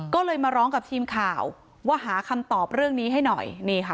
ก็เลยมาร้องกับทีมข่าวว่าหาคำตอบเรื่องนี้ให้หน่อยนี่ค่ะ